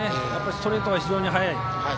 ストレートが非常に速い。